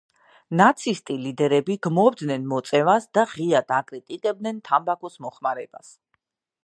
ნაცისტი ლიდერები გმობდნენ მოწევას და ღიად აკრიტიკებდნენ თამბაქოს მოხმარებას.